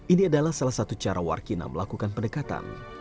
ini adalah salah satu cara warkina melakukan pendekatan